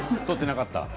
撮ってなかった？